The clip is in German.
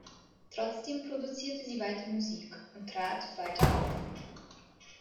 Trotzdem produzierte sie weiter Musik und trat weiter auf.